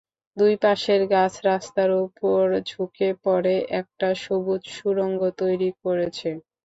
দুই পাশের গাছ রাস্তার ওপর ঝুঁকে পড়ে একটা সবুজ সুড়ঙ্গ তৈরি করেছে।